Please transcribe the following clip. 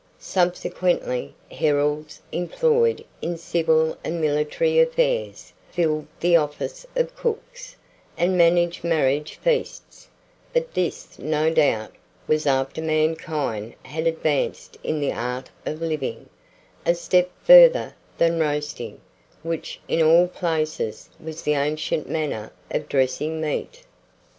Subsequently, heralds, employed in civil and military affairs, filled the office of cooks, and managed marriage feasts; but this, no doubt, was after mankind had advanced in the art of living, a step further than roasting, which, in all places, was the ancient manner of dressing meat.